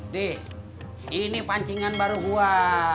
de ini pancingan baru gua